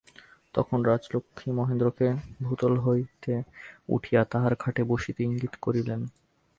তখন রাজলক্ষ্মী মহেন্দ্রকে ভূতল হইতে উঠিয়া তাঁহার খাটে বসিতে ইঙ্গিত করিলেন।